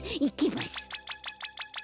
いきます。